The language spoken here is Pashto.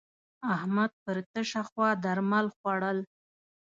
احمد پر تشه خوا درمل خوړول.